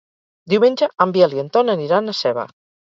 Diumenge en Biel i en Ton aniran a Seva.